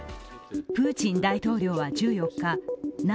プーチン大統領は１４日